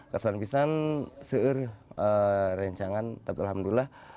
kerasan pisan seir rencangan tapi alhamdulillah